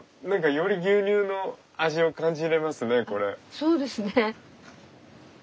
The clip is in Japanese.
そうですね。